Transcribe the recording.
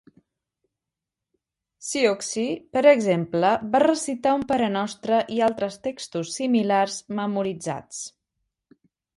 Siouxsie, per exemple, va recitar un parenostre i altres textos similars memoritzats.